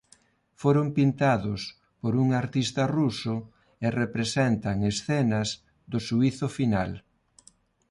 Foron pintados por un artista ruso e representa escenas do Xuízo Final.